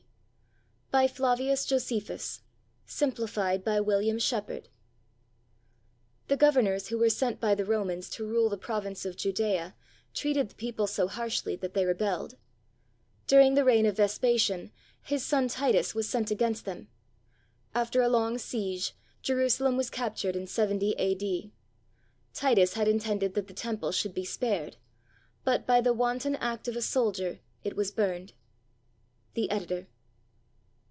D.] BY FLAVIUS JOSEPHUS; SIMPLIFIED BY WILLIAM SHEPARD [The governors who were sent by the Romans to rule the province of Judaea treated the people so harshly that they rebelled. During the reign of Vespasian, his son Titus was sent against them. After a long siege, Jerusalem was cap tured in 70 A.D. Titus had intended that the Temple should be spared; but by the wanton act of a soldier it was burned. The Editor.